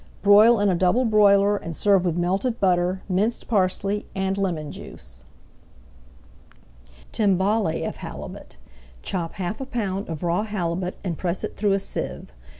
Broil in a double broiler, and serve with melted butter, minced parsley, and lemon juice. TIMBALE OF HALIBUT Chop half a pound of raw halibut and press it through a sieve.